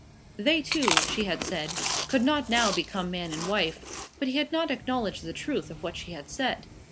They two, she had said, could not now become man and wife; but he had not acknowledged the truth of what she had said.